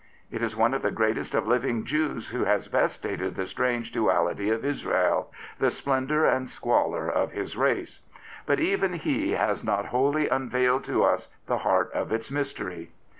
It is one of the greatest of living Jews who has best stated the strange duality of Israel, the splendour and squalor of his race. But even he has not wholly unveiled to us the heart of its mystery.